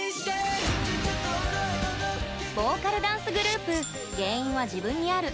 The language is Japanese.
ボーカルダンスグループ原因は自分にある。